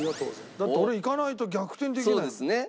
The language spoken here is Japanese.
だって俺いかないと逆転できないもん。